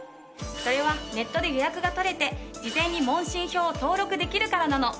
それはネットで予約が取れて事前に問診票を登録できるからなの。